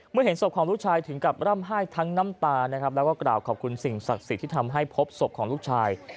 เห็นศพของลูกชายถึงกับร่ำไห้ทั้งน้ำตานะครับแล้วก็กล่าวขอบคุณสิ่งศักดิ์สิทธิ์ที่ทำให้พบศพของลูกชาย